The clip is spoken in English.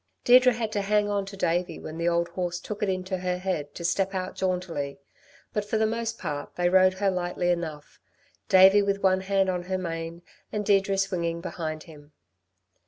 Deirdre had to hang on to Davey when the old horse took it into her head to step out jauntily, but for the most part they rode her lightly enough, Davey with one hand on her mane and Deirdre swinging behind him.